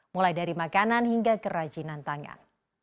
mulai dari makanan hingga kerajinan tangan